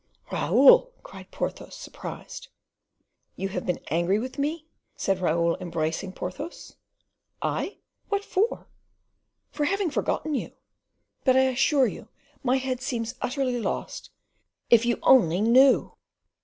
"Raoul!" cried Porthos, surprised. "You have been angry with me?" said Raoul, embracing Porthos. "I? What for?" "For having forgotten you. But I assure you my head seems utterly lost. If you only knew!"